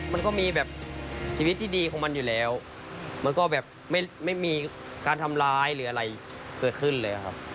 มันก็มีแบบชีวิตที่ดีของมันอยู่แล้วมันก็แบบไม่มีการทำร้ายหรืออะไรเกิดขึ้นเลยครับ